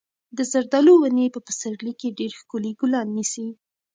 د زردالو ونې په پسرلي کې ډېر ښکلي ګلان نیسي.